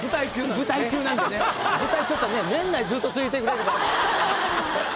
舞台ちょっとね年内ずっと続いてくれれば。